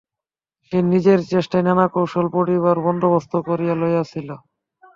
সে নিজের চেষ্টায় নানা কৌশলে পড়িবার বন্দোবস্ত করিয়া লইয়াছিল।